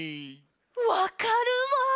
わかるわ！